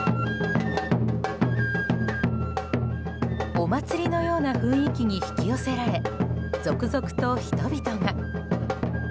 お祭りのような雰囲気に引き寄せられ、続々と人々が。